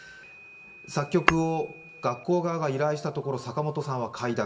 作曲を学校側が依頼したところ坂本さんは快諾。